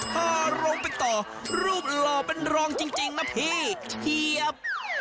พาลงไปต่อรูปหล่อเป็นรองจริงนะพี่เชียบ